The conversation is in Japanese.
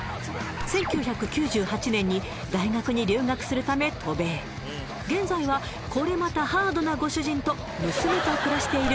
１９９８年に大学に留学するため渡米現在はこれまたハードなご主人と娘と暮らしている